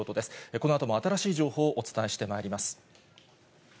このあとも新しい情報をお伝えしてまいります。